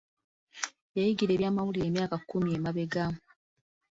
Yayingira ebyamawulira emyaka kkumi emabega.